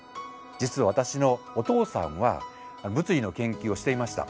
実は私のお父さんは物理の研究をしていました。